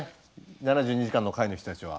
７２時間の会の人たちは。